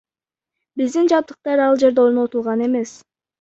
Биздин жабдыктар ал жерде орнотулган эмес.